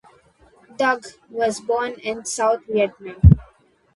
Dung was born in South Vietnam.